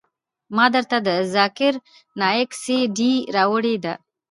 ما درته د ذاکر نايک سي ډي راوړې ده.